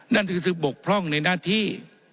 นั่นคือศึกบกพร่องในหน้าที่